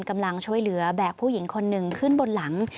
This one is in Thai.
กำลังช่วยเหลือแบกผู้หญิงคนหนึ่งขึ้นบนหลัง